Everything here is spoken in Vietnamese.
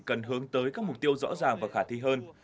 cần hướng tới các mục tiêu rõ ràng và khả thi hơn